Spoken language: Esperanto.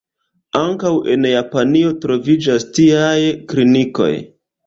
Ankaŭ en Japanio troviĝas tiaj klinikoj.